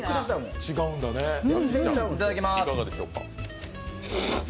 いただきます。